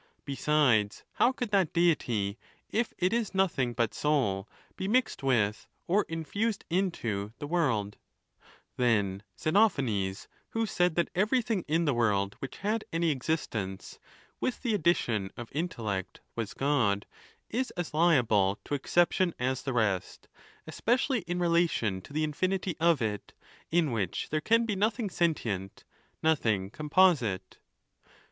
Besides, how could that Deity, if it is nothing but soul, be mixed with, or in fused into, the world ? Then Xenophanes, who said that everything in the world which had any existence, with the addition of intel lect, was God, is as liable to exception as the rest, especial ly in relation to the infinity of it, in which there can be nothing sentient, nothing composite.